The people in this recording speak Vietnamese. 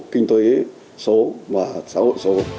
kinh tế số và xã hội số